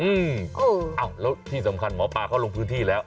อืมอ้าวแล้วที่สำคัญหมอปลาเขาลงพื้นที่แล้ว